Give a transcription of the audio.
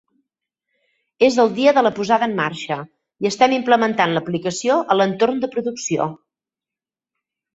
És el dia de la posada en marxa i estem implementant l"aplicació a l"entorn de producció.